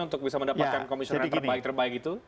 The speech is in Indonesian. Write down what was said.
untuk bisa mendapatkan komisioner yang terbaik terbaik itu